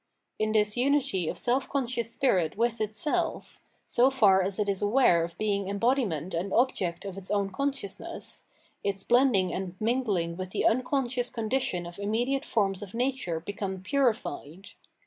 In this unity of self conscious spirit with itself, so far as it is aware of being embodi ment and object of its o wn consciousness, its blending and mirig h' n g with the tmconscious condition of im mediate forms of nature become purified.